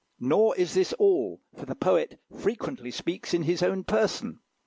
Nor is this all; for the poet frequently speaks in his own person.